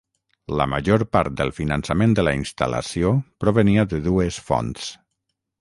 La major part del finançament de la instal·lació provenia de dues fonts.